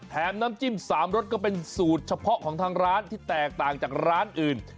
น้ำจิ้ม๓รสก็เป็นสูตรเฉพาะของทางร้านที่แตกต่างจากร้านอื่น